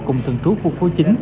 cùng thường trú khu phố chín